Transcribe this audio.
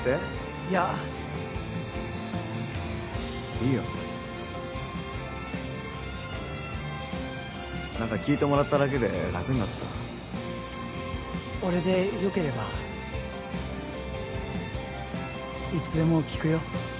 いやいいよ何か聞いてもらっただけで楽になった俺でよければいつでも聞くよ